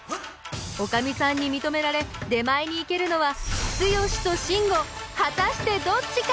おかみさんにみとめられ出前に行けるのはツヨシとシンゴ果たしてどっちか！？